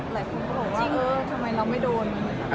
หลายคนก็บอกว่าเออทำไมเราไม่โดน